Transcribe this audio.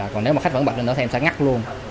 còn nếu mà khách vẫn bật lên đó thì em sẽ ngắt luôn